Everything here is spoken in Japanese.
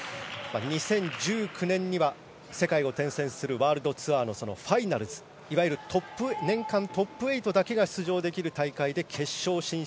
２０１９年には背間を転戦するワールドツアー・ファイナルズ年間トップ８だけが出場できる大会で決勝進出。